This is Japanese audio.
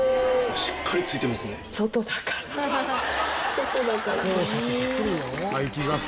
外だから。